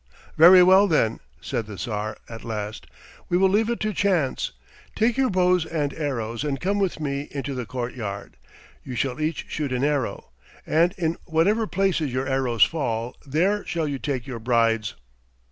"Very well, then," said the Tsar at last, "we will leave it to chance. Take your bows and arrows and come with me into the courtyard. You shall each shoot an arrow, and in whatever places your arrows fall, there shall you take your brides."